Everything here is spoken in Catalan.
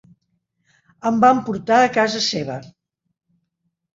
Em van portar a casa seva.